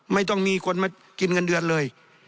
ไม่ต้องมีคนมากินเงินเดือนเลย